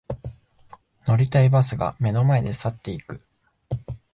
乗りたいバスが目の前で去っていく